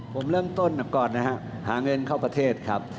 ผมเริ่มต้นก่อนนะฮะหาเงินเข้าประเทศครับ